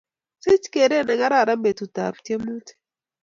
Sich keret ne kararan petut ap tiemutik